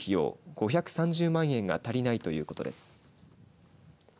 ５３０万円が足りないということです。